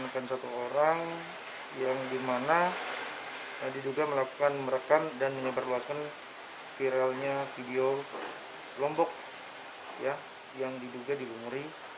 karena tadi juga melakukan berekam dan mengeluarkan viralnya video lombok ya yang diduga didunggui